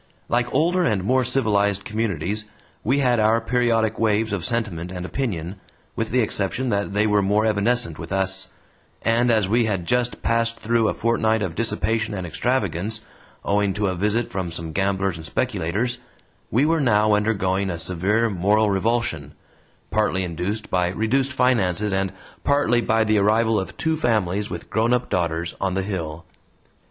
Like older and more civilized communities, we had our periodic waves of sentiment and opinion, with the exception that they were more evanescent with us, and as we had just passed through a fortnight of dissipation and extravagance, owing to a visit from some gamblers and speculators, we were now undergoing a severe moral revulsion, partly induced by reduced finances and partly by the arrival of two families with grownup daughters on the hill.